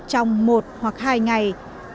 trong một hoặc hai ngày